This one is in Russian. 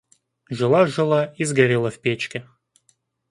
Жила, жила и сгорела в печке.